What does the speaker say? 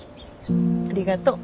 ありがとう。